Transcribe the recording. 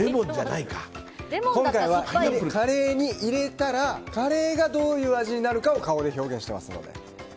今回はカレーに入れたらカレーがどういう味になるかを顔で表現してますので。